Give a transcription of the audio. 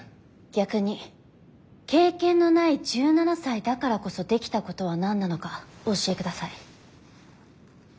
逆に経験のない１７才だからこそできたことは何なのかお教えください。